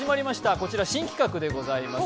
こちら新企画でございます。